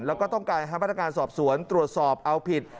แล้วก็ต้องการให้พนักงานสอบสวนตรวจสอบเอาผิด